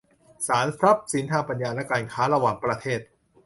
ศาลทรัพย์สินทางปัญญาและการค้าระหว่างประเทศ